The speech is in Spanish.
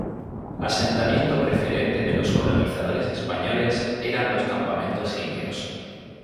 Asentamiento preferente de los colonizadores españoles eran los campamentos indios.